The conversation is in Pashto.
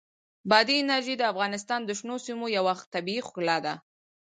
بادي انرژي د افغانستان د شنو سیمو یوه طبیعي ښکلا ده.